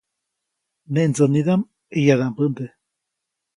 Neʼ ndsänidaʼm ʼeyabände.